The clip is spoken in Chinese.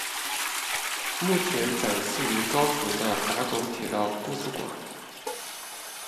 目前展示于高雄的打狗铁道故事馆。